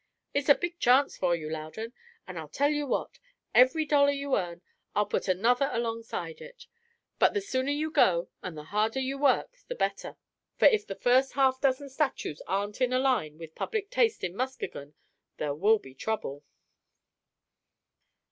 It's a big chance for you, Loudon; and I'll tell you what every dollar you earn, I'll put another alongside of it. But the sooner you go, and the harder you work, the better; for if the first half dozen statues aren't in a line with public taste in Muskegon, there will be trouble."